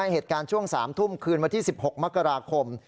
เหตุการณ์ช่วง๓ทุ่มคืนวันที่๑๖มกราคม